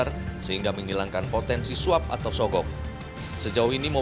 kita taat peraturan